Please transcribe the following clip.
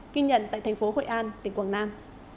ghi nhận tại thành phố hội an tỉnh quảng nam